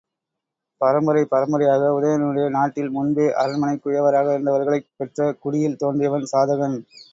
பரம்பரை பரம்பரையாக உதயணனுடைய நாட்டில் முன்பே அரண்மனைக் குயவராக இருந்தவர்களைப் பெற்ற குடியில் தோன்றியவன் சாதகன்.